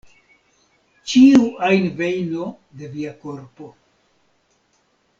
Ĉiu ajn vejno de via korpo".